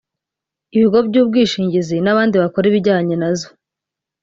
ibigo by’ubwishingizi n’abandi bakora ibijyanye nazo